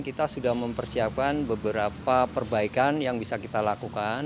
kita sudah mempersiapkan beberapa perbaikan yang bisa kita lakukan